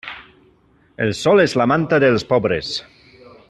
El sol és la manta dels pobres.